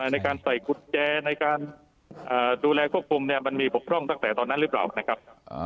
ในการใส่กุญแจในการดูแลควบคุมเนี่ยมันมีบกพร่องตั้งแต่ตอนนั้นหรือเปล่านะครับ